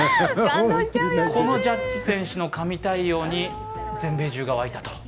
このジャッジ選手の神対応に全米じゅうが沸いた。